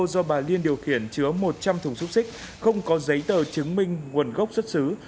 do bà liên điều khiển chứa một trăm linh thùng xúc xích không có giấy tờ chứng minh nguồn gốc xuất xứ